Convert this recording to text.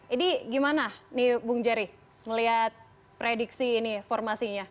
ini gimana nih bung jerry melihat prediksi ini formasinya